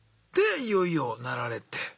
でいよいよなられて。